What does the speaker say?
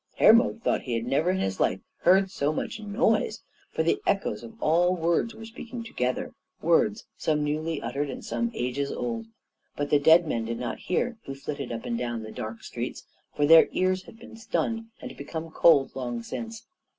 Hermod thought he had never in his life heard so much noise; for the echoes of all words were speaking together words, some newly uttered and some ages old; but the dead men did not hear who flitted up and down the dark streets, for their ears had been stunned and become cold long since.